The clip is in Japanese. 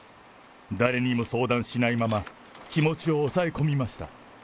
誰にも相談しないまま、気持ちを抑え込みました。